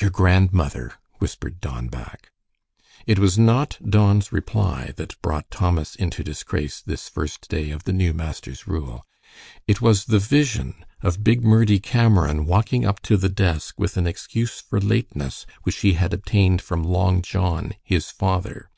"Your grandmother," whispered Don back. It was not Don's reply that brought Thomas into disgrace this first day of the new master's rule, it was the vision of big Murdie Cameron walking up to the desk with an excuse for lateness, which he had obtained from Long John, his father.